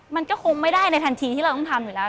มันก็คงไม่ได้ในทันทีที่เราต้องทำอยู่แล้ว